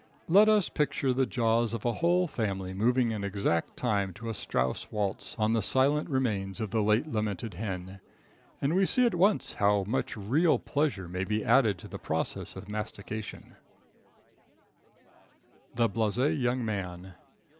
Let us picture the jaws of a whole family moving in exact time to a Strauss waltz on the silent remains of the late lamented hen, and we see at once how much real pleasure may be added to the process of mastication. The Blase Young Man.